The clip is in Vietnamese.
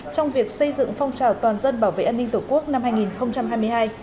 trong việc xây dựng phong trào toàn dân bảo vệ an ninh tổ quốc năm hai nghìn hai mươi hai